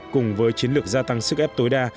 cùng với chiến lược gia tăng sức ép tối đa